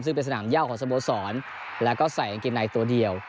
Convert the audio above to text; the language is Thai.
ซึ่งเป็นสนามย่าของสโมสรแล้วก็ใส่กางเกงในตัวเดียว